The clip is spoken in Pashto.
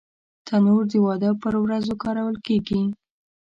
تنور د واده پر ورځو کارول کېږي